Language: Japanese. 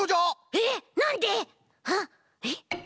えっなんで！？えっ？